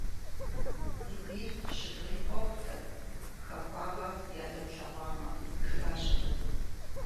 - Ди бийр щыдгъей къохъу дэ, хахуагъэ ядэтлъэгъуамэ, - жиӀащ абы.